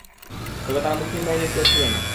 তবে তারা মুসলিম বাহিনীর কেউ ছিল না।